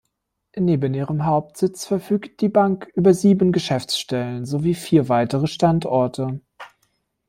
Neben ihrem Hauptsitz verfügt die Bank über sieben Geschäftsstellen sowie vier weitere Standorte.